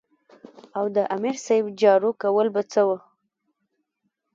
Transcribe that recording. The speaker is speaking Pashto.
او د امیر صېب جارو کول به څۀ وو ـ